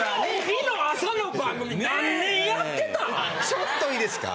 ちょっといいですか。